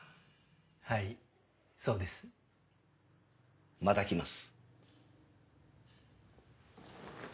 はいそうです。また来ます。